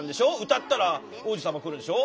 歌ったら王子様来るでしょ？